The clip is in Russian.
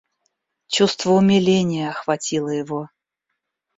Чувство умиления охватило его.